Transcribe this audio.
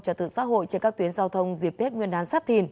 trật tự xã hội trên các tuyến giao thông dịp tết nguyên đán sắp thìn